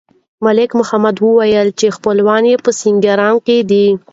ملک محمد وویل چې خپلوان یې په سینګران کې دي.